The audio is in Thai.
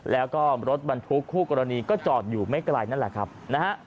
แล้วก็รถบรรทุกคู่กรณีก็จอดอยู่ไม่ไกลนั่นแหละครับนะฮะ